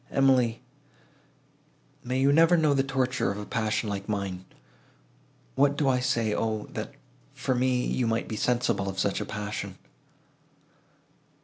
Emily—may you never know the torture of a passion like mine! What do I say? O, that, for me, you might be sensible of such a passion!"